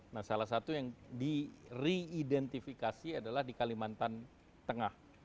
nah salah satu yang di reidentifikasi adalah di kalimantan tengah